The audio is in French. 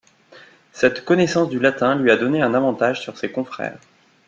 Cette connaissance du latin lui a donné un avantage sur ses confrères.